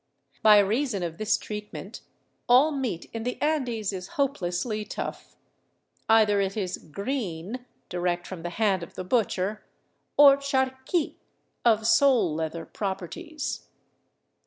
By reason of this treatment all meat in the Andes is hopelessly tough ; either it is " green," direct from the hand of the butcher, or charqui of sole leather properties.